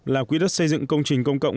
là quy đất xây dựng công trình công cộng